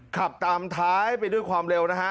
ขับตามท้ายไปด้วยความเร็วนะฮะ